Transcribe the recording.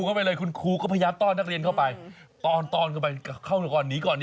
เข้ากันก่อนหนีก่อนหนีก่อน